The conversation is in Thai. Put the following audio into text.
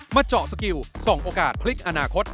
เจาะสกิลส่องโอกาสพลิกอนาคต